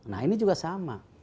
nah ini juga sama